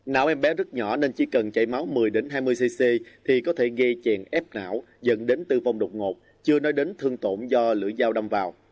não em bé rất nhỏ nên chỉ cần chảy máu một mươi hai mươi cc thì có thể gây chèn ép não dẫn đến tử vong đột ngột chưa nói đến thương tổn do lưỡi dao đâm vào